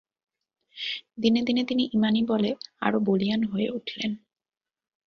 দিনে দিনে তিনি ঈমানী বলে আরো বলিয়ান হয়ে উঠলেন।